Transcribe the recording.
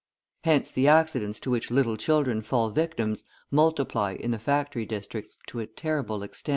Hence the accidents to which little children fall victims multiply in the factory districts to a terrible extent.